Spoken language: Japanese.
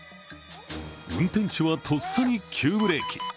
運転手はとっさに急ブレーキ。